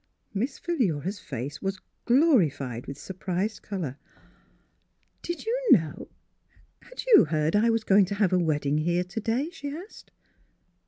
Miss Philura's face was glorified with surprised colour. " Did you know — had you heard I was going to have a wedding here to day? " she asked.